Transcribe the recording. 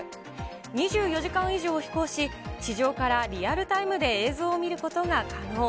２４時間以上飛行し、地上からリアルタイムで映像を見ることが可能。